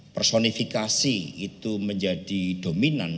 personifikasi itu menjadi dominan